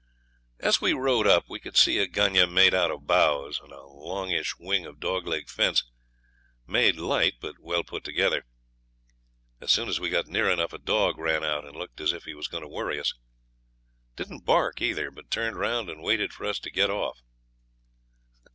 As we rode up we could see a gunyah made out of boughs, and a longish wing of dogleg fence, made light but well put together. As soon as we got near enough a dog ran out and looked as if he was going to worry us; didn't bark either, but turned round and waited for us to get off.